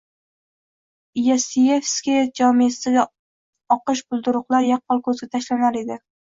Isaakiyevskiy jomesidagi oqish bulduruqlar yaqqol koʻzga tashlanar edi.